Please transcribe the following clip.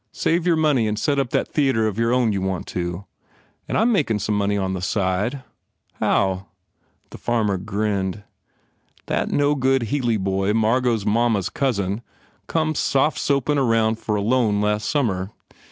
Save your money and set up that theatre of your own you want so. And I m makin some money on the side/ "How? 1 The farmer grinned. "That no good Healy boy Margot s mamma s cousin, come soft soapin round for a loan last summer.